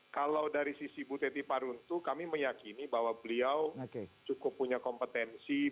kalau dari sisi bu teti paruntu kami meyakini bahwa beliau cukup punya kompetensi